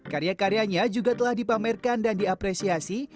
karya karyanya juga telah dipamerkan dan diapresiasi